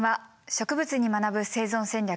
「植物に学ぶ生存戦略」。